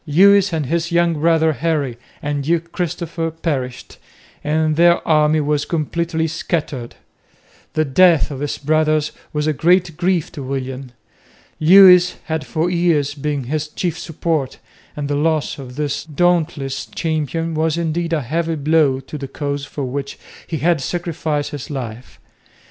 Lewis and his young brother, Henry, and Duke Christopher perished, and their army was completely scattered. The death of his brothers was a great grief to William. Lewis had for years been his chief support, and the loss of this dauntless champion was indeed a heavy blow to the cause for which he had sacrificed his life.